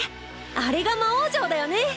あれが魔王城だよね。